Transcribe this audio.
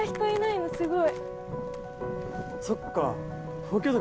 そっか。